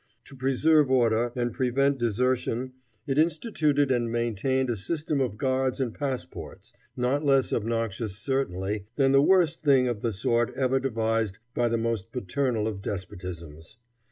To preserve order and prevent desertion it instituted and maintained a system of guards and passports, not less obnoxious, certainly, than the worst thing of the sort ever devised by the most paternal of despotisms.